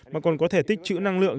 mà còn có thể tích chữ năng lượng